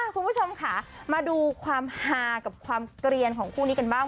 คุณผู้ชมค่ะมาดูความฮากับความเกลียนของคู่นี้กันบ้าง